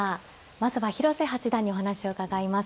まずは広瀬八段にお話を伺います。